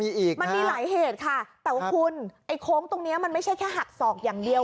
มีอีกมันมีหลายเหตุค่ะแต่ว่าคุณไอ้โค้งตรงเนี้ยมันไม่ใช่แค่หักศอกอย่างเดียว